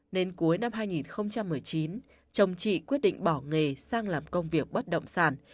nên cuối năm hai nghìn một mươi chín chồng chị quyết định bỏ nghề sang làm công việc bất động sản